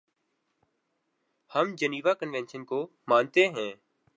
ہم Geneva conventions کو مانتے ہیں۔